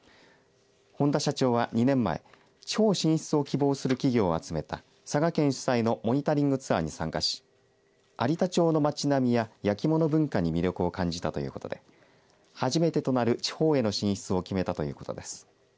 本多社長は２年前地方進出を希望する企業を集めた佐賀県主催のモニタリングツアーに参加し有田町の町並みや焼き物文化に魅力を感じたということで初めてとなる地方への進出を決めたということです。